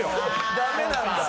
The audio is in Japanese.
ダメなんだ。